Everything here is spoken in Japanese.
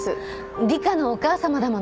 里香のお母さまだもの。